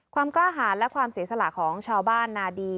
ความกล้าหารและความเสียสละของชาวบ้านนาดี